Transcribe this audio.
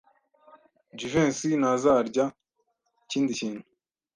Jivency ntazarya ikindi kintu.